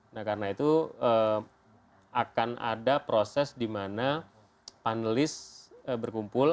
nah karena itu akan ada proses di mana panelis berkumpul